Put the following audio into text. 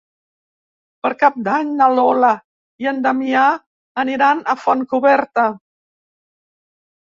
Per Cap d'Any na Lola i en Damià aniran a Fontcoberta.